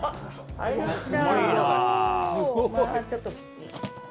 入りました。